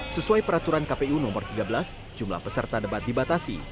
sesuai peraturan kpu nomor tiga belas jumlah peserta debat dibatasi